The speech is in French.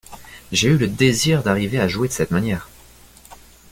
J'ai eu le désir d'arriver à jouer de cette manière.